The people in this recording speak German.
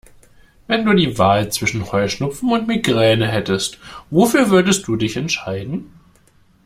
Wenn du die Wahl zwischen Heuschnupfen und Migräne hättest, wofür würdest du dich entscheiden?